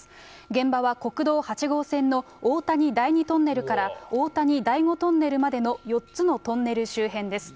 現場は国道８号線のおおたに第２トンネルからおおたに第５トンネルまでの４つのトンネル周辺です。